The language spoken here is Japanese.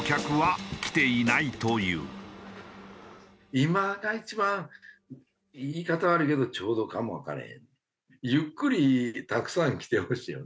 今が一番言い方悪いけどちょうどかもわからへん。